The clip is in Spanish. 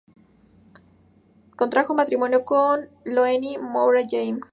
Contrajo matrimonio con Leonie Moura Jaime.